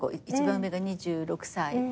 一番上が２６歳。